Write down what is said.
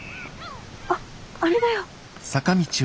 あっあれだよ。